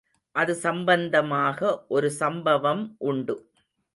அது சம்பந்தமாக ஒரு சம்பவம் உண்டு.